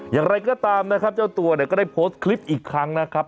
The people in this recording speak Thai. อย่างไรก็ตามนะครับเจ้าตัวเนี่ยก็ได้โพสต์คลิปอีกครั้งนะครับ